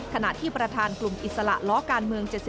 ขณะที่ประธานกลุ่มอิสระล้อการเมือง๗๐